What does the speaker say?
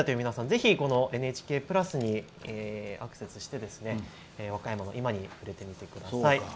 ぜひ、「ＮＨＫプラス」にアクセスして和歌山の今に触れてみてください。